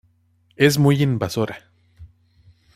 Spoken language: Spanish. Es muy invasora.